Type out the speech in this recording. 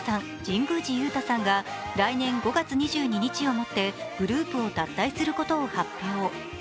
神宮寺勇太さんが来年５月２２日をもって、グループを脱退することを発表。